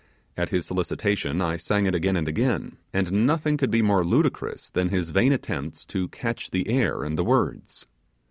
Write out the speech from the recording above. At his solicitation I sang it again and again, and nothing could be more ludicrous than his vain attempts to catch the air and the words.